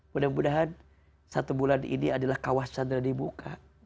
mudah mudahan satu bulan ini adalah kawasan yang dibuka